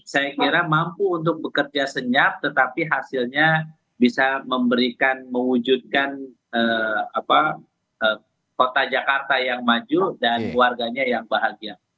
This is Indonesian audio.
saya kira mampu untuk bekerja senyap tetapi hasilnya bisa memberikan mewujudkan kota jakarta yang maju dan warganya yang bahagia